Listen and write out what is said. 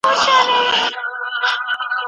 موږ باید ځواب ولرو.